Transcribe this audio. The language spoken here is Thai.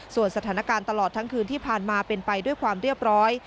ส่วนสถานการณ์ตลอดทั้งคืนที่ผ่านมาเป็นไปด้วยความเรียบร้อย